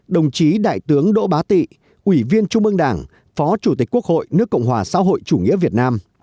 đồng chí đại tướng đỗ bá tị ủy viên trung ương đảng phó chủ tịch quốc hội nước cộng hòa xã hội chủ nghĩa việt nam